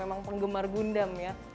memang penggemar gundam ya